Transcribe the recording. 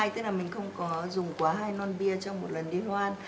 tức là mình không có dùng quá hai non bia trong một lần đi hoan